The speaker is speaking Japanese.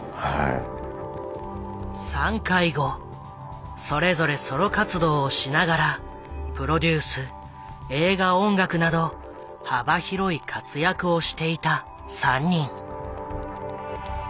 散開後それぞれソロ活動をしながらプロデュース映画音楽など幅広い活躍をしていた３人。